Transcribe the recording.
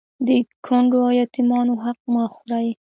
د کونډو او يتيمانو حق مه خورئ